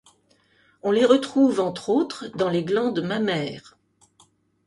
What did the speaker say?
On les retrouve entre autres dans les glandes mammaires.